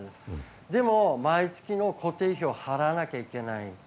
でも、毎月の固定費を払わなきゃいけない。